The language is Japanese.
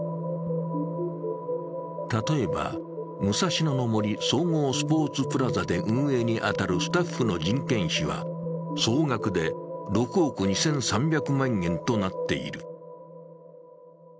例えば、武蔵野の森総合スポーツプラザで運営に当たるスタッフの人件費は総額で６億２３００万円となっている。